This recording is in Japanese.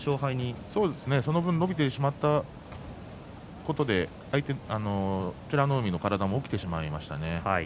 伸びてしまったことで美ノ海の体も起きてしまいましたね。